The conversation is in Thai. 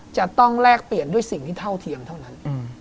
จะต้องแลกเปลี่ยนด้วยสิ่งที่เท่าเทียมเท่านั้น